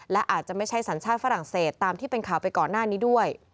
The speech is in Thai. และอาจจะไม่ใช่สัญชาติฝรั่งเศสตามที่เป็นข่าวไปก่อนหน้านี้ด้วย